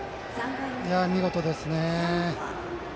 見事ですね。